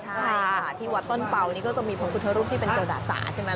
ใช่ค่ะที่วัดต้นเป่านี่ก็จะมีพระพุทธรูปที่เป็นกระดาษสาใช่ไหม